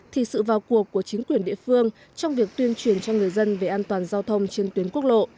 thì sự vào cuộc của chính quyền địa phương trong việc tuyên truyền cho người dân về an toàn giao thông trên tuyến quốc lộ